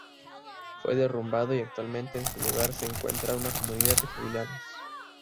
Fue derrumbado y actualmente en su lugar se encuentra una comunidad de jubilados.